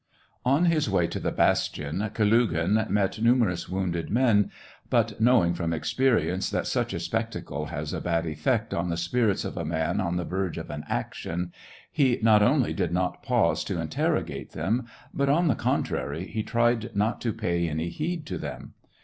On his way to the bastion, Kalugin met nu merous wounded men ; but, knowing from expe rience that such a spectacle has a bad effect on the spirits of a man on the verge of an action, he not only did not pause to interro gate them, but, on the contrary, he tried not to pay any heed to them.